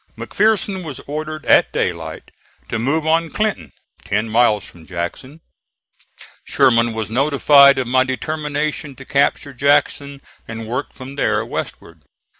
McPherson was ordered at daylight to move on Clinton, ten miles from Jackson; Sherman was notified of my determination to capture Jackson and work from there westward.